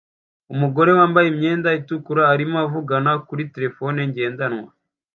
Umugore wambaye imyenda itukura arimo avugana kuri terefone ngendanwa